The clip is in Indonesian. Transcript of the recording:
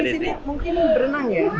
tapi kita disini mungkin berenang ya